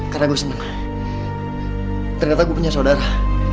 karena gue seneng ternyata gue punya saudara